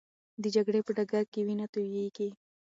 د جګړې په ډګر کې وینه تویېږي.